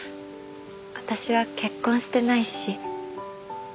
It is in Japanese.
私は結婚してないし。